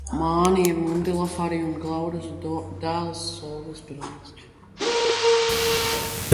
Māni ir Mundilfari un Glauras dēls, Solas brālis.